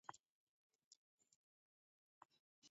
Serikale yazerelo izighane mtalo ghwa w'andu.